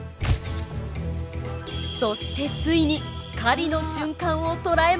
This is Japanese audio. そしてついに狩りの瞬間を捉えました。